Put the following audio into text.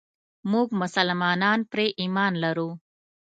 موږ مسلمانان پرې ايمان لرو.